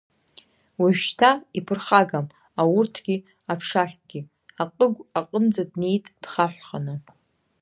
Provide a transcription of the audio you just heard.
Уажәшьҭа иԥырхагам, аурҭгьы, аԥшахьгьы, аҟыгә аҟынӡа днеит дхаҳәханы.